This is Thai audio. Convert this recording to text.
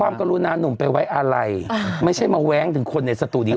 กรุณาหนุ่มไปไว้อะไรไม่ใช่มาแว้งถึงคนในสตูดิ